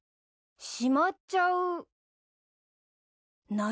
しまっちゃう何？